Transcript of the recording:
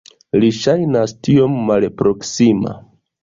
Li ŝajnas tiom malproksima.